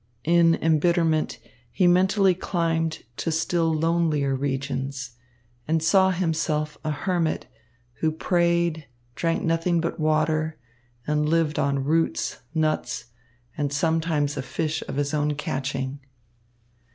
In embitterment he mentally climbed to still lonelier regions, and saw himself a hermit, who prayed, drank nothing but water, and lived on roots, nuts, and sometimes a fish of his own catching.